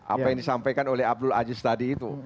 apa yang disampaikan oleh abdul aziz tadi itu